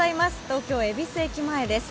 東京・恵比寿駅前です。